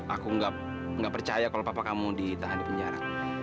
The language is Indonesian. aku nggak percaya kalau papa kamu ditahan di penjara